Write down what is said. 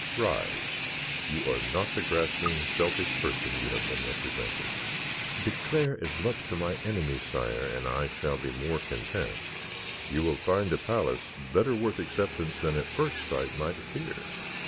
"Rise, You are not the grasping, selfish person you have been represented." "Declare as much to my enemies, sire, and I shall be more content. You will find the palace better worth acceptance than at first sight might appear."